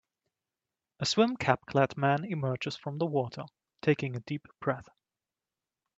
A swim capclad man emerges from the water, taking a deep breath.